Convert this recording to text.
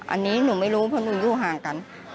อันนี้หนูไม่รู้เพราะหนูอยู่ห่างกัน